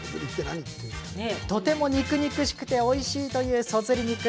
とても肉々しくておいしいという、そずり